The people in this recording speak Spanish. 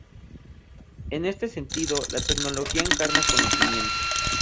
En este sentido, la tecnología encarna conocimiento.